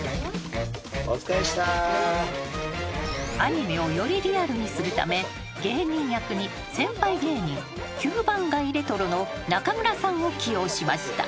「お疲れっしたー」［アニメをよりリアルにするため芸人役に先輩芸人９番街レトロのなかむらさんを起用しました］